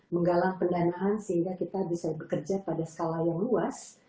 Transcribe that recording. menggalang pendanaan sehingga kita bisa bekerja pada skala yang luas